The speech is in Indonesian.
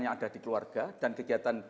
yang ada di keluarga dan kegiatan